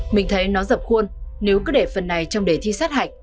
mình thấy nó dập khuôn nếu cứ để phần này trong đề thi sát hạch